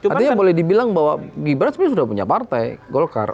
artinya boleh dibilang bahwa gibran sebenarnya sudah punya partai golkar